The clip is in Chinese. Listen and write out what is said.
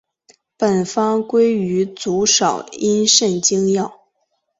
本方归于足少阴肾经药。